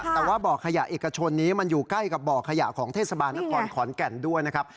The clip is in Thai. แต่ว่าบ่อขยะเอกชนนี้มันอยู่ใกล้กับบ่อขยะของเทศบาลนครขอนแก่นด้วยนะครับ